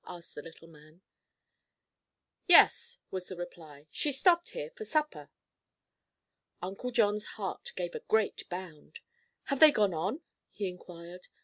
asked the little man. "Yes," was the reply; "she stopped here for supper." Uncle John's heart gave a great bound. "Have they gone on?" he inquired.